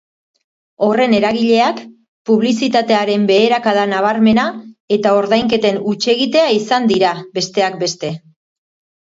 Horren eragileak publizitatearen beherakada nabarmena eta ordainketen hutsegitea izan dira, besteak beste.